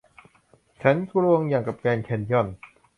ฉันกลวงอย่างกับแกรนด์แคนยอน